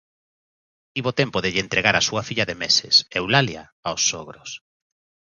Tivo tempo de lle entregar a súa filla de meses, Eulalia, aos sogros.